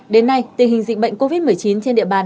đến nay tình hình dịch bệnh covid một mươi chín trên địa bàn